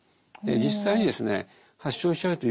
実際にですね